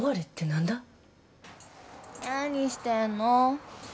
何してんの？